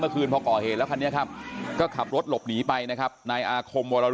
คืนพอก่อเหตุแล้วคันนี้ครับก็ขับรถหลบหนีไปนะครับนายอาคมวร